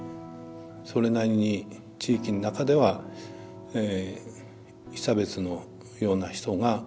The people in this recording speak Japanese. それなりに地域の中では被差別のような人がいたというふうに思います。